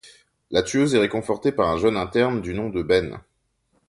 La Tueuse est réconfortée par un jeune interne du nom de Ben.